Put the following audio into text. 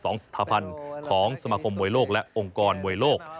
สถาพันธ์ของสมาคมมวยโลกและองค์กรมวยโลก